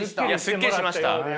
すっきりしましたはい。